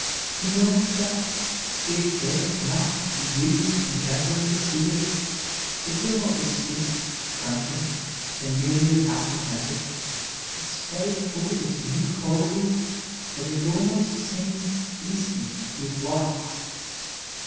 He knows that, if care enough be used in tempering the steel, it will not be stiff, trenchant, and merely a passive metal, but so full of its new qualities that it almost seems instinct with life.